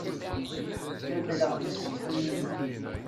Beddleɣ-d aselkim-inu.